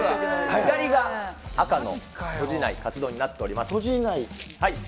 左が赤のとじないかつ丼になっております。